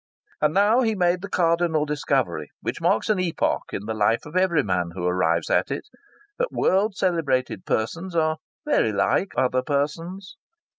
And now he made the cardinal discovery, which marks an epoch in the life of every man who arrives at it, that world celebrated persons are very like other persons.